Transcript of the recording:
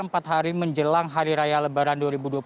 empat hari menjelang hari raya lebaran dua ribu dua puluh tiga